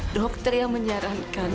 dokter yang menyarankan